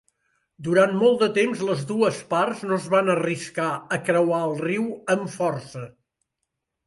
Durant molt de temps les dues parts no es van arriscar a creuar el riu amb força.